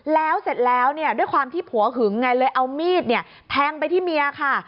แล้วเสร็จแล้วเนี่ยด้วยความที่ผัวหึงไงเลยเอามีดเนี่ยแทงไปที่เมียค่ะ